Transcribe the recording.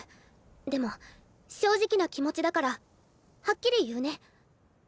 でも正直な気持ちだからはっきり言うね。